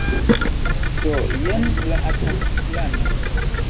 Do, jen la atak-plano